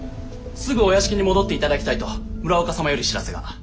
「すぐお屋敷に戻っていただきたい」と村岡様より知らせが。